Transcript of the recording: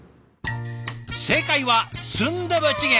正解はスンドゥブチゲ。